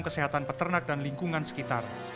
kesehatan peternak dan lingkungan sekitar